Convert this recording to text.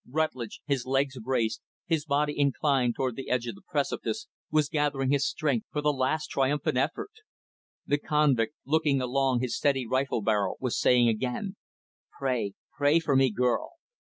Rutlidge his legs braced, his body inclined toward the edge of the precipice, was gathering his strength for the last triumphant effort. The convict, looking along his steady rifle barrel, was saying again, "Pray, pray for me, girl."